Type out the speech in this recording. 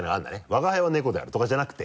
「吾輩は猫である」とかじゃなくて。